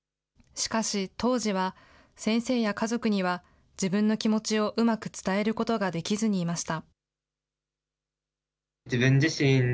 しかし当時は、先生や家族には自分の気持ちをうまく伝えることができずにいました。